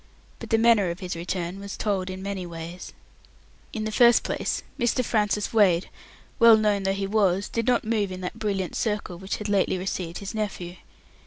But the manner of his return was told in many ways. In the first place, Mr. Francis Wade, well known though he was, did not move in that brilliant circle which had lately received his nephew.